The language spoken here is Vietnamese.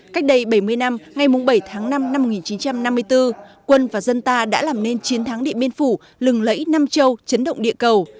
cách đây bảy mươi năm ngày bảy tháng năm năm một nghìn chín trăm năm mươi bốn quân và dân ta đã làm nên chiến thắng điện biên phủ lừng lẫy nam châu chấn động địa cầu